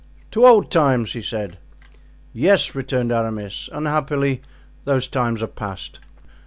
"To old times," he said. "Yes," returned Aramis. "Unhappily, those times are past."